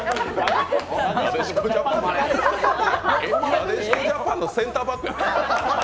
なでしこジャパンのセンターバックやで。